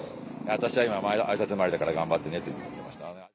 私は今、あいさつ回りだから頑張ってねって言ってました。